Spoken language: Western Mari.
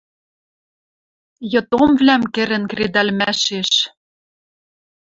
Йыд омвлӓм кӹрӹн кредӓлмӓшеш